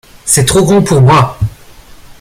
C’est trop grand pour moi.